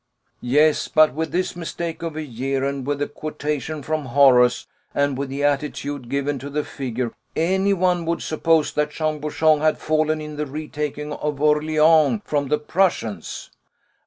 "Yes, but with this mistake of a year, and with the quotation from Horace, and with the attitude given to the figure, anyone would suppose that Jean Bouchon had fallen in the retaking of Orléans from the Prussians."